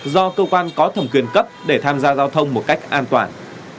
do cơ quan có thẩm quyền cấp để tham gia giao thông một cách an toàn